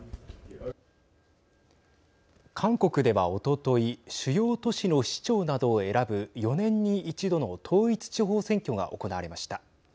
韓国ではおととい主要都市の市長などを選ぶ４年に１度の統一地方選挙が行われました。